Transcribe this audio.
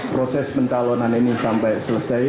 proses pencalonan ini sampai selesai